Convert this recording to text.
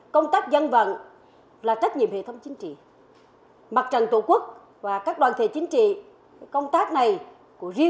công tác dân vận là trách nhiệm hệ thống chính trị mặt trận tổ quốc và các đoàn thể chính trị